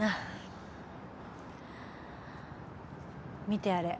見てあれ。